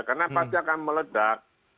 karena pasti akan meledak